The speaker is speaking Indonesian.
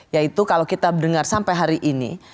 yaitu kalau kita dengar sampai hari ini